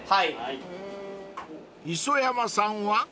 ［磯山さんは？］